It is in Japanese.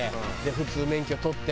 普通免許取って。